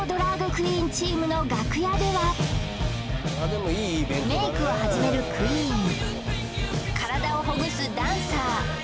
クイーンチームの楽屋ではメイクを始めるクイーン体をほぐすダンサー